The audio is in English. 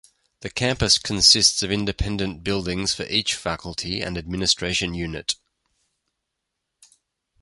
The campus consists of independent buildings for each faculty and administration unit.